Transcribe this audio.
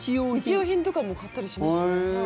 日用品とかも買ったりします。